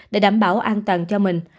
để đảm bảo an toàn cho mình